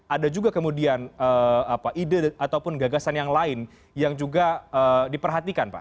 ada juga kemudian ide ataupun gagasan yang lain yang juga diperhatikan pak